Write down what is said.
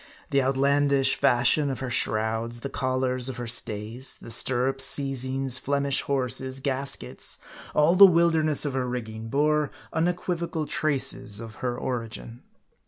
The outlandish fashion of her shrouds, the collars of her stays, the stirrups, seizings, Flemish horses, gaskets, all the wilderness of her rigging, bore unequivocal traces of her origin.